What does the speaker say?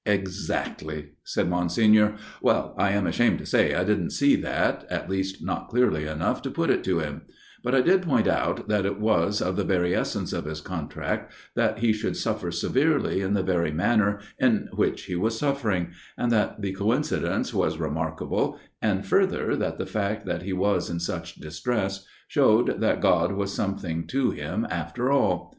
" Exactly," said Monsignor, " well, I am ashamed to say I didn't see that, at least not clearly enough to put it to him ; but I did point MONSIGNOR'S MAXWELL'S TALE 29 out that it was of the very essence of his contract that he should suffer severely in the very manner in which he was suffering, and that the coinci dence was remarkable, and, further, that the fact that he was in such distress, shewed that God was something to him after all.